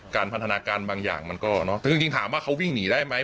พันธนาการบางอย่างมันก็เนอะจริงถามว่าเขาวิ่งหนีได้ไหม